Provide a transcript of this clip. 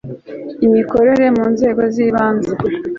imikorere mu nzego z ibanze